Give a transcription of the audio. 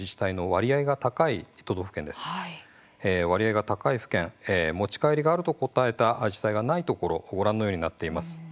割合が高い府県持ち帰りがあると答えた自治体がないところご覧のようになっています。